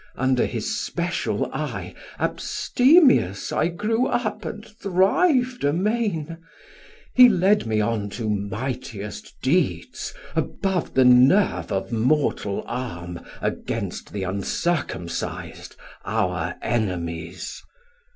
Under his special eie Abstemious I grew up and thriv'd amain; He led me on to mightiest deeds Above the nerve of mortal arm Against the uncircumcis'd, our enemies.